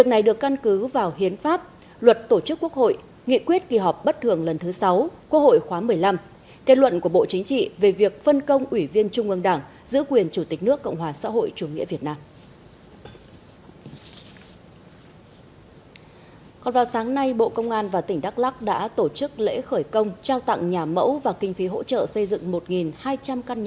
theo đó bà võ thị ánh xuân phó chủ tịch nước giữ quyền chủ tịch nước cộng hòa xã hội chủ nghĩa việt nam cho đến khi quốc hội bầu ra chủ tịch nước